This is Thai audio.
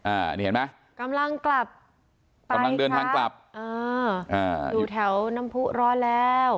อ่านี่เห็นไหมกำลังกลับกำลังเดินทางกลับอ่าอ่าอยู่แถวน้ำผู้ร้อนแล้ว